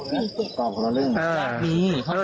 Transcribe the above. อืมตอบเรื่องญาติมี